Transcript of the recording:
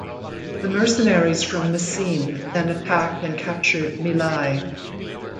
The mercenaries from Messene then attacked and captured Mylae.